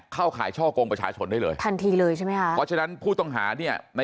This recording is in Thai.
ข่ายช่อกงประชาชนได้เลยทันทีเลยใช่ไหมคะเพราะฉะนั้นผู้ต้องหาเนี่ยใน